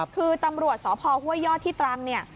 คือตำรวจสพห้วยยอดที่ตรังเนี่ย